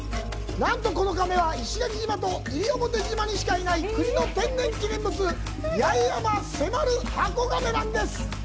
何とこのカメは石垣島と西表島にしかいない国の天然記念物ヤエヤマセマルハコガメなんです。